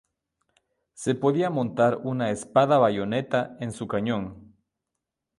Se podía montar una espada-bayoneta en su cañón.